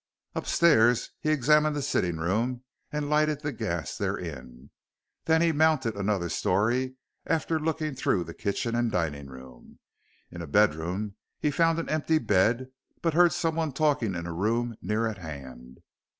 Upstairs he examined the sitting room, and lighted the gas therein; then he mounted another storey after looking through the kitchen and dining room. In a bedroom he found an empty bed, but heard someone talking in a room near at hand.